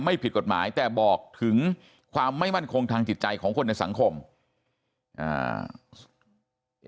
ผิดกฎหมายแต่บอกถึงความไม่มั่นคงทางจิตใจของคนในสังคมอ่า